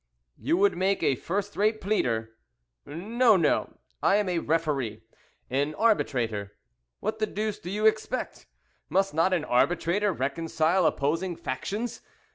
"You would make a first rate pleader." "No, no I am a referee an arbitrator. What the deuce do you expect? Must not an arbitrator reconcile opposing factions?